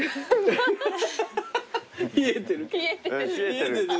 冷えてる？